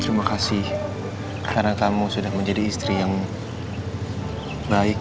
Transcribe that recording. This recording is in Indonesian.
terima kasih karena kamu sudah menjadi istri yang baik